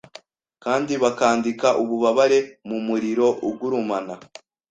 kandi bakandika ububabare mumuriro ugurumana